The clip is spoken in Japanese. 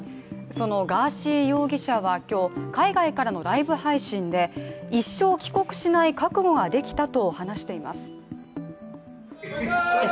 そのガーシー容疑者は今日海外からのライブ配信で一生帰国しない覚悟はできたと話しています。